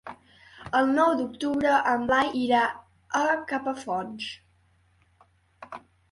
El nou d'octubre en Blai irà a Capafonts.